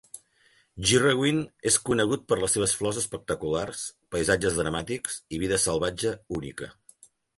Girraween es conegut per les seves flors espectaculars, paisatges dramàtics i vida salvatge única.